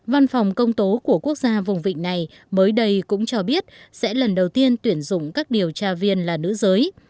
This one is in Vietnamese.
văn phòng công tố của quốc gia vùng vịnh này mới đây cũng cho biết sẽ lần đầu tiên tuyển dụng các điều tra viên là nữ giới